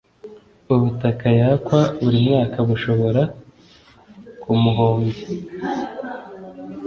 ubutaka yakwa buri mwaka bushobora kumuhombya.